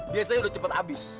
biasanya udah cepet abis